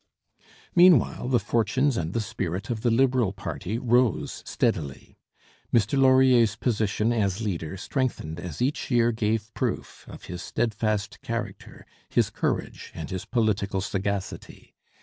Meanwhile the fortunes and the spirit of the Liberal party rose steadily. Mr Laurier's position as leader strengthened as each year gave proof of his steadfast character, his courage, and his political sagacity.